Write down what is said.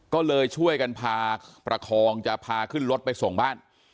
ก็เลยช่วยกันพาประคองจะพาขึ้นรถไปส่งบ้าน